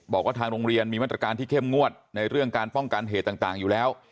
บอกว่าทางโรงเรียนมีมาตรการที่เข้มงวดในเรื่องการป้องกันเหตุต่างอยู่แล้ว